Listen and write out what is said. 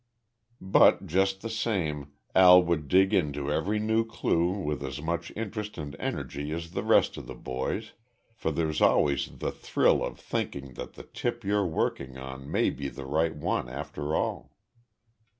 But, just the same, Al would dig into every new clue with as much interest and energy as the rest of the boys for there's always the thrill of thinking that the tip you're working on may be the right one after all.